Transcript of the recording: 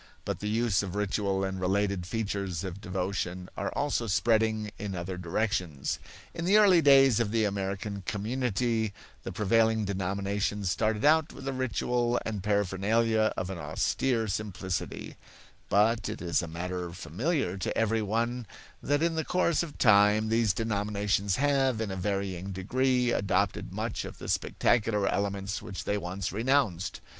But the use of ritual and related features of devotion are also spreading in other directions. In the early days of the American community the prevailing denominations started out with a ritual and paraphernalia of an austere simplicity; but it is a matter familiar to every one that in the course of time these denominations have, in a varying degree, adopted much of the spectacular elements which they once renounced.